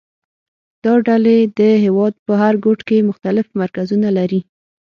دا ډلې د هېواد په هر ګوټ کې مختلف مرکزونه لري